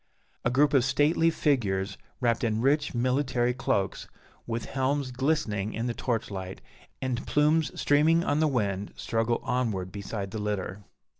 A group of stately figures, wrapped in rich military cloaks, with helms glistening in the torch light, and plumes streaming on the wind, struggle onward beside the litter.